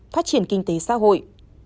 phát triển kinh tế xã hội